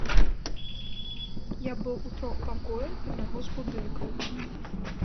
Я быў у трох пакоях аднаго з будынкаў.